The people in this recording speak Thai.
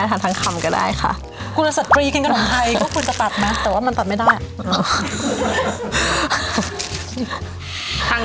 แนะนำให้กินของพี่ได้รักหาว